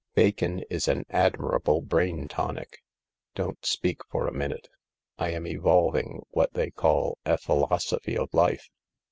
Bacon is an admirable brain tonic. Don't speak for a minute. I am evolving what they call a philosophy of life."